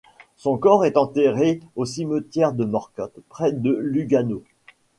Son corps est enterré au cimetière de Morcote près de Lugano.